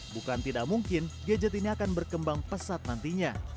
bukan tidak mungkin gadget ini akan berkembang pesat nantinya